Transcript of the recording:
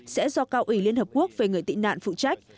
sẽ do cao ủy liên hợp quốc về người tị nạn phụ trách